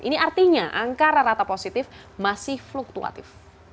ini artinya angka rata rata positif masih fluktuatif